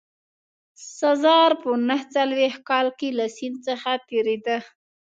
سزار په نه څلوېښت کال کې له سیند څخه تېرېده.